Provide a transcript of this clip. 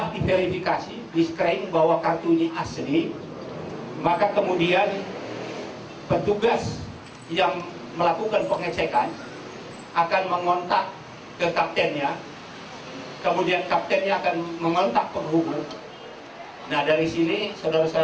diskotik mg mulai beroperasi tahun dua ribu tujuh dan mulai menunjukkan kartu anggota jika ingin memesan ekstasi